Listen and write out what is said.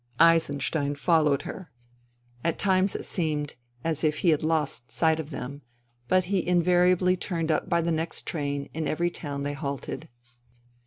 Eisenstein followed her. At times it seemed as if he had lost sight of them ; but he invariably turned up by the next train in every town they halted.